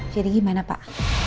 jadi gimana pak